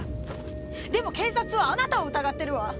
でも警察はあなたを疑ってるわ。